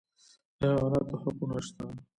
د حیواناتو حقونه شته